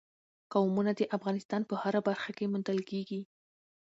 قومونه د افغانستان په هره برخه کې موندل کېږي.